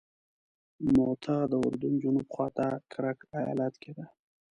موته د اردن جنوب خواته کرک ایالت کې ده.